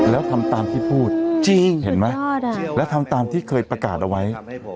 แล้วทำตามที่พูดจริงเห็นไหมและทำตามที่เคยประกาศเอาไว้